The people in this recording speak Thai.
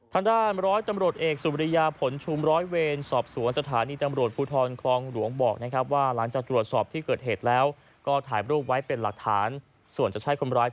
ทางด้านร้อยตำรวจเอกสุบริยาผลชุมร้อยเวรสอบสวนสถานีตำรวจภูทรคลองหลวงบอกนะครับว่าหลังจากตรวจสอบที่เกิดเหตุแล้วก็ถ่ายรูปไว้เป็นหลักฐานส่วนจะใช่คนร้าย